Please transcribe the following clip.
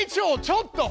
ちょっと！